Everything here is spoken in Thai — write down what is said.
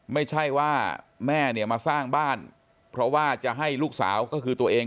ไม่ใช่ว่าแม่เนี่ยมาสร้างบ้านเพราะว่าจะให้ลูกสาวก็คือตัวเอง